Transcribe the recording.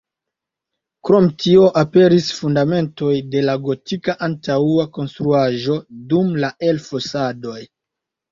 Krom tio aperis fundamentoj de la gotika antaŭa konstruaĵo dum la elfosadoj.